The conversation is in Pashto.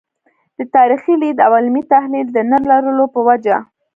د تاریخي لید او علمي تحلیل د نه لرلو په وجه.